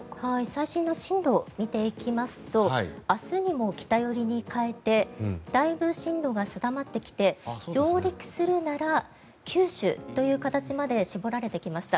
最新の進路を見ていきますと明日にも北寄りに変えてだいぶ進路が定まってきて上陸するなら九州という形まで絞られてきました。